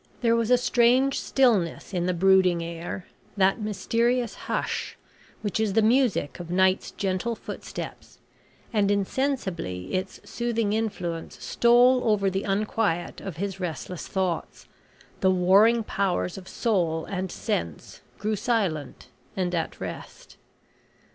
There was a strange stillness in the brooding air that mysterious hush, which is the music of night's gentle footsteps, and insensibly its soothing influence stole over the unquiet of his restless thoughts the warring powers of soul and sense grew silent and at rest.